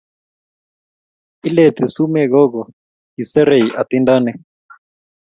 Ileti sumek gogoo, kiserei hatindonik